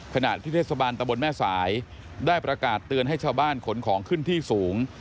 ขณะที่เทศบาลตะบนแม่สายได้ประกาศเตือนให้ชาวบ้านขนของขึ้นที่สูง